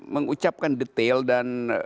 mengucapkan detail dan